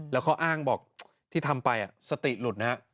แล้วก็อ้างบอกที่ทำไปสติหลุด